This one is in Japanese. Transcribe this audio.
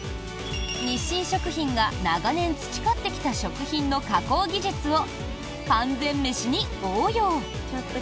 日清食品が長年培ってきた食品の加工技術を完全メシに応用。